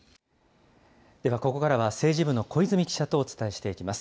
ではここからは政治部の小泉記者とお伝えしていきます。